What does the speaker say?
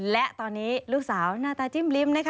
และตอนนี้ลูกสาวหน้าตาจิ้มลิ้มนะคะ